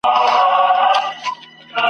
وايي ګناه ده فعل د کفار دی ..